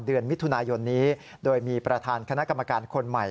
เดือนมิถุนายนนี้โดยมีประธานคณะกรรมการคนใหม่